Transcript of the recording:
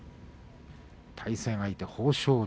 対戦相手は豊昇龍